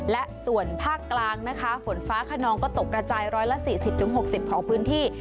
และส่วนภาคกลางนะคะฝนฟ้าขนองก็ตกกระจาย๑๔๐๖๐ของพื้นที่